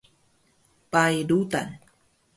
Pai rudan